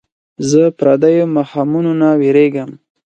زه پردیو ماښامونو نه ویرېږم